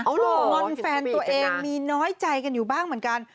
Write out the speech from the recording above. งอนแฟนตัวเองมีน้อยใจกันอยู่บ้างเหมือนกัน